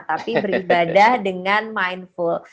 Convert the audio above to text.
tapi beribadah dengan mindfull